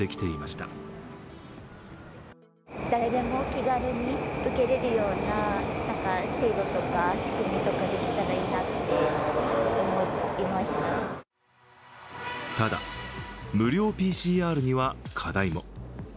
ただ、無料ＰＣＲには課題も。